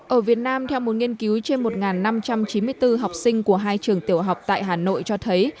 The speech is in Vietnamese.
ở việt nam theo một nghiên cứu trên một năm trăm chín mươi bốn học sinh của hai trường tiểu học tại hà nội cho thấy